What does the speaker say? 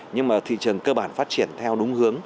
nhưng mà thị trường cơ bản phát triển theo đúng hướng